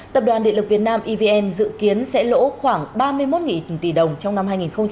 tập đoàn địa lực việt nam evn dự kiến sẽ lỗ khoảng ba mươi một nghìn tỷ đồng trong năm hai nghìn hai mươi hai